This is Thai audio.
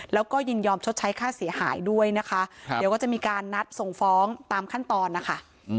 แล้วก็ยินยอมชดใช้ค่าเสียหายด้วยนะคะเดี๋ยวก็จะมีการนัดส่งฟ้องตามขั้นตอนนะคะ